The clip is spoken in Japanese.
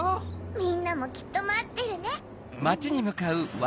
みんなもきっとまってるね。